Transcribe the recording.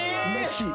飯。